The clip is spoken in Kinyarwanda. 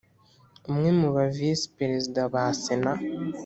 umwe mu ba Visi Perezida ba Sena